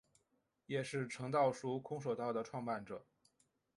也是诚道塾空手道的创办者。